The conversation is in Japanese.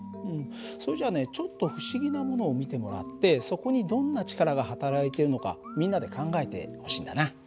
それじゃあねちょっと不思議なものを見てもらってそこにどんな力がはたらいているのかみんなで考えてほしいんだな。